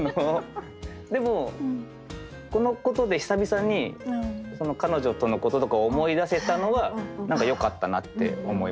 でもこのことで久々に彼女とのこととかを思い出せたのは何かよかったなって思いました。